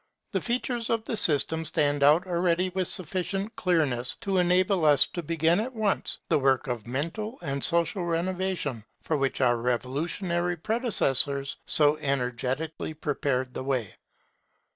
The features of the system stand out already with sufficient clearness to enable us to begin at once the work of mental and social renovation for which our revolutionary predecessors so energetically prepared the way.